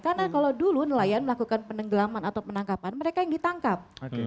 karena kalau dulu nelayan melakukan penenggelaman atau penangkapan mereka yang ditangkap